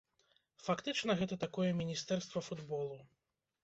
Фактычна гэта такое міністэрства футболу.